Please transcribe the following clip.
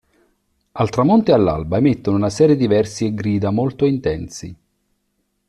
Al tramonto e all'alba emettono una serie di versi e grida molto intensi.